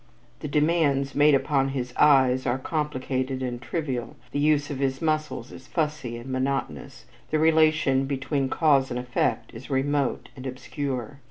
The demands made upon his eyes are complicated and trivial, the use of his muscles is fussy and monotonous, the relation between cause and effect is remote and obscure.